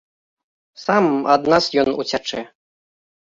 Сам ад нас ён уцячэ.